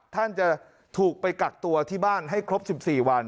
ท่านจะถูกไปกักตัวที่บ้านให้ครบ๑๔วัน